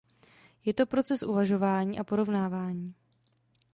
Je to proces uvažování a porovnávání.